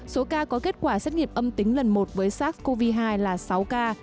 số ca có kết quả xét nghiệm âm tính lần một với sars cov hai là sáu ca